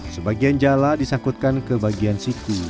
sebagian jala disangkutkan ke bagian siku